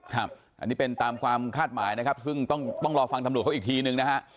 ครับอันนี้เป็นตามความคาดหมายนะครับซึ่งต้องรอฟังตำรวจเขาอีกทีนึงนะฮะ